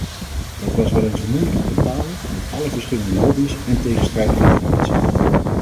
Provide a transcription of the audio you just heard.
Dat was wel eens moeilijk te bepalen, met alle verschillende lobby's en tegenstrijdige informatie.